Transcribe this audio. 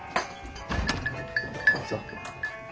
どうぞ。